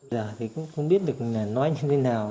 dạ thì cũng không biết được nói như thế nào